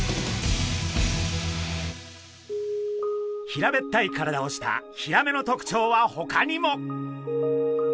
平べったい体をしたヒラメのとくちょうはほかにも！